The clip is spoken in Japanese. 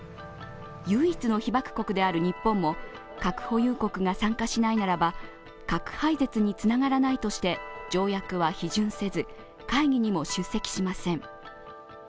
唯一の被爆国である日本も核保有国が参加しないならば核廃絶につながらないとして条約は批准せず、会議にも出席しません